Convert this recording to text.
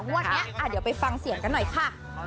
งวดนี้เดี๋ยวไปฟังเสียงกันหน่อยค่ะ